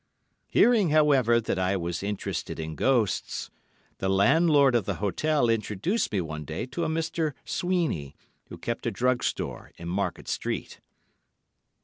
Hearing, however, that I was interested in ghosts, the landlord of the hotel introduced me one day to a Mr. Sweeney, who kept a drug store in Market Street.